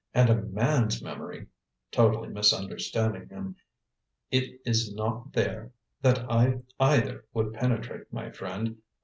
"And a man's memory!" totally misunderstanding him. "It is not there that I either would penetrate, my friend.